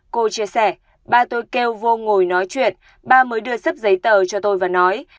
cô chia sẻ ba tôi kêu vô ngồi nói chuyện ba mới đưa sắp giấy tờ cho tôi và nói